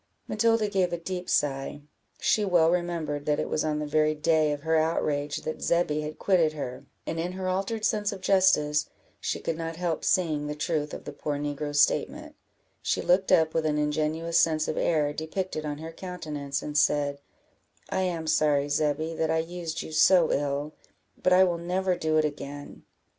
Matilda gave a deep sigh; she well remembered that it was on the very day of her outrage that Zebby had quitted her, and in her altered sense of justice, she could not help seeing the truth of the poor negro's statement; she looked up, with an ingenuous sense of error depicted on her countenance, and said "I am sorry, Zebby, that I used you so ill, but I will never do it again."